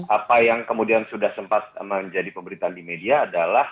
apa yang kemudian sudah sempat menjadi pemberitaan di media adalah